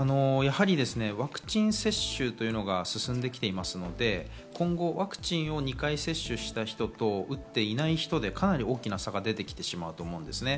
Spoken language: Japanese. ワクチン接種が進んできていますので、今後ワクチンを２回接種した人と打っていない人でかなり大きな差が出てきてしまうと思うんですね。